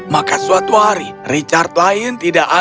maka suatu hari richard lain tidak akan berakhir